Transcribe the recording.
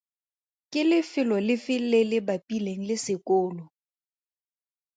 Ke lefelo lefe le le bapileng le sekolo?